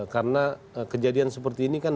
karena kejadian seperti ini kan